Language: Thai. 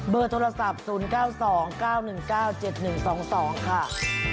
โทรศัพท์๐๙๒๙๑๙๗๑๒๒ค่ะ